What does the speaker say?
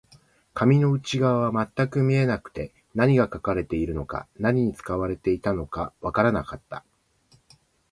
紙の内側は全く見えなくて、何が書かれているのか、何に使われていたのかわからなかった